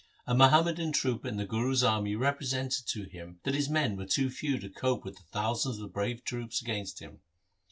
A Muhammadan trooper in the Guru's army represented to him that his men were too few to cope with the thousands of brave troops against him.